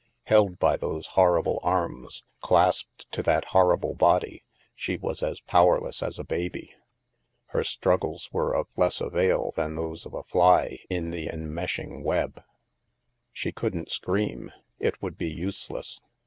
Held by those horrible arms, clasped to that horrible body, she was as powerless as a baby. Her struggles were of less avail than those of a fly in the enmeshing web. She couldn't scream — it would be useless.